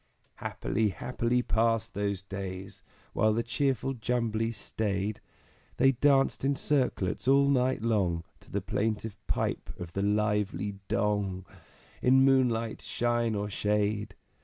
_" Happily, happily passed those days! While the cheerful Jumblies staid; They danced in circlets all night long, To the plaintive pipe of the lively Dong, In moonlight, shine, or shade.